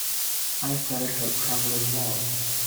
I felt her trembling more.